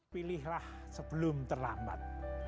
pilihlah sebelum terlambat